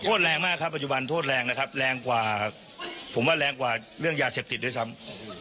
แรงมากครับปัจจุบันโทษแรงนะครับแรงกว่าผมว่าแรงกว่าเรื่องยาเสพติดด้วยซ้ำ